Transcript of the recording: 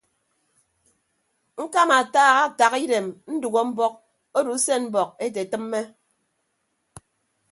Ñkama ataha ataha idem ndәgho mbọk odo usen mbọk ete tịmme.